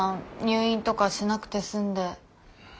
入院とかしなくて済んで。